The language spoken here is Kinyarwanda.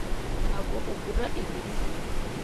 Ntabwo ugura ibi?